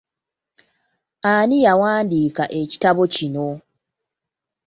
Ani yawandiika ekitabo kino?